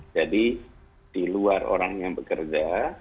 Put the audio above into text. jadi di luar orang yang bekerja